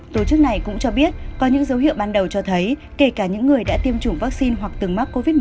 tổ chức này cũng cho biết có những dấu hiệu ban đầu cho thấy kể cả những người đã tiêm chủng vaccine hoặc từng mắc covid một mươi chín